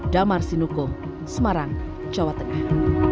damar sinukom semarang jawa tengah